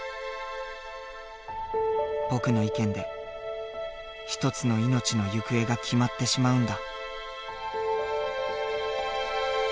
僕の意見で一つの命の行方が決まってしまうんだ。